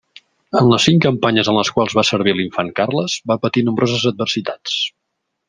En les cinc campanyes en les quals va servir l'Infant Carles, va patir nombroses adversitats.